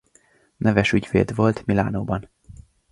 Neves ügyvéd volt Milánóban.